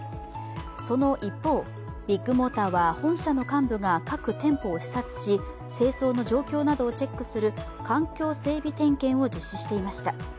その一方、ビッグモーターは本社の幹部が各店舗を視察し清掃の状況などをチェックする環境整備点検を実施していました。